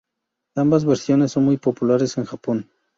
Ambas versiones son muy populares en Japón.